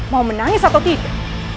mau menangis atau tidak